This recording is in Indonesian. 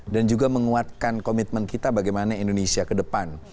dan juga menguatkan komitmen kita bagaimana indonesia ke depan